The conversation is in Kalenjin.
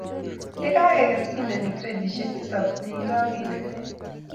yekakekes, kendeni gredisiek tisab kotinygei ak kiit chetenin